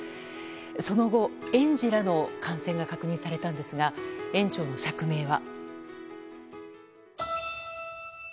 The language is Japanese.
その後、園児らの感染が確認されたんですが園長の釈明は？